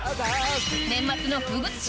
年末の風物詩